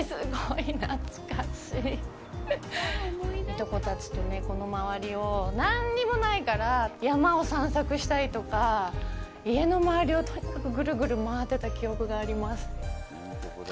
いとこたちと、この周りを何もないから、山を散策したりとか家の周りをとにかくぐるぐる回ってた記憶があります。